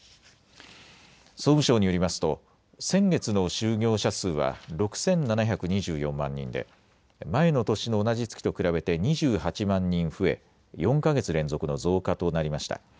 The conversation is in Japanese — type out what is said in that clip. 総務省によりますと先月の就業者数は６７２４万人で前の年の同じ月と比べて２８万人増え、４か月連続の増加となりました。